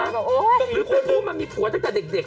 หรือคุณบู้มันมีผัวตั้งแต่เด็ก